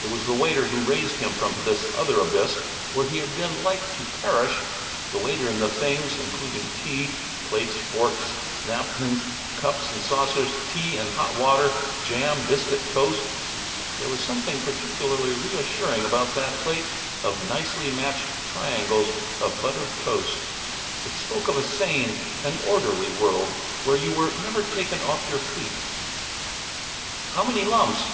It was the waiter who raised him from this other abyss where he had been like to perish, the waiter and the things, including tea: plates, forks, napkins, cups and saucers, tea and hot water, jam, biscuit, toast. There was something particularly reassuring about that plate of nicely matched triangles of buttered toast. It spoke of a sane and orderly world where you were never taken off your feet. "How many lumps?"